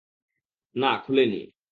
না, খুলেনি।